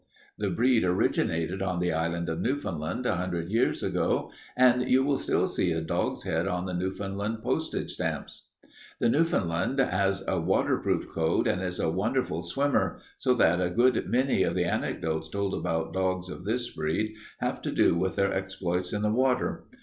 The breed originated on the island of Newfoundland a hundred years ago, and you will still see a dog's head on the Newfoundland postage stamps. "The Newfoundland has a waterproof coat and is a wonderful swimmer, so that a good many of the anecdotes told about dogs of this breed have to do with their exploits in the water.